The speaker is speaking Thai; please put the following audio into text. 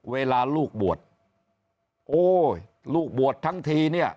เวลาลูกบวชโอ้ยลูกบวชทั้งทีเนี่ย